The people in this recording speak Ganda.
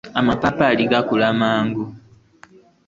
Amapaapaali gakula mangu.